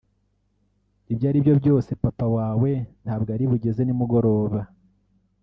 ibyo ari byo byose papa wawe ntabwo ari bugeze nimugoroba